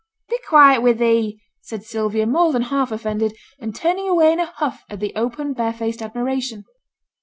'Be quiet wi' thee,' said Sylvia, more than half offended, and turning away in a huff at the open barefaced admiration.